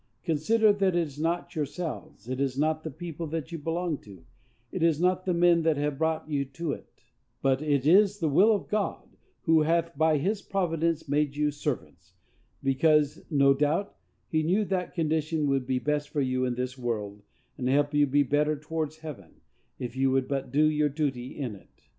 _ Consider that it is not yourselves, it is not the people that you belong to, it is not the men that have brought you to it, but _it is the will of God, who hath by his providence made you servants, because, no doubt, he knew that condition would be best for you in this world, and help you the better towards heaven, if you would but do your duty in it_.